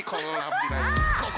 ここ！